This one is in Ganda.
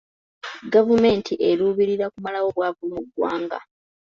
Gavumenti eruubirira kumalawo bwavu mu ggwanga.